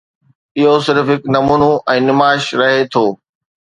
اهو صرف هڪ نمونو ۽ نمائش رهي ٿو.